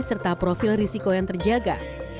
serta profil risiko yang terjaga